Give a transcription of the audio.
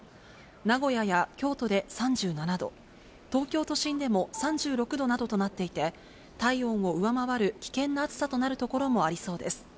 名古屋や京都で３７度、東京都心でも３６度などとなっていて、体温を上回る危険な暑さとなる所もありそうです。